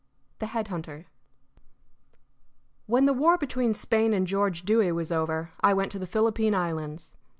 THE HEAD HUNTER When the war between Spain and George Dewey was over, I went to the Philippine Islands.